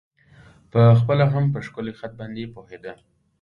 په خپله هم په ښکلی خط باندې پوهېده.